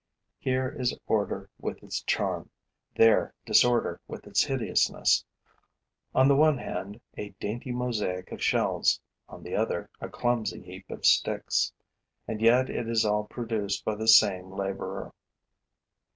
Here is order with its charm, there disorder with its hideousness; on the one hand a dainty mosaic of shells, on the other a clumsy heap of sticks. And yet it is all produced by the same laborer.